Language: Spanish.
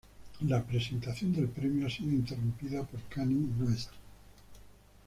La presentación del premio ha sido interrumpida por Kanye West.